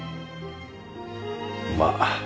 まあ。